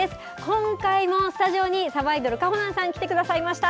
今回もスタジオに、さばいどる、かほなんさんに来てくださいました。